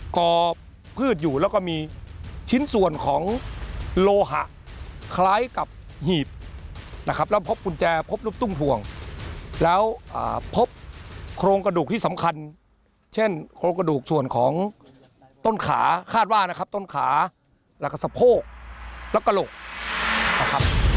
กอพืชอยู่แล้วก็มีชิ้นส่วนของโลหะคล้ายกับหีบนะครับแล้วพบกุญแจพบลูกตุ้งพวงแล้วพบโครงกระดูกที่สำคัญเช่นโครงกระดูกส่วนของต้นขาคาดว่านะครับต้นขาแล้วก็สะโพกและกระโหลกนะครับ